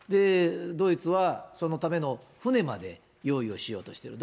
ドイツは、そのための船まで用意をしようとしている。